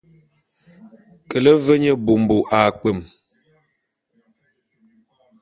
Kele ve nye bômbo a kpwem.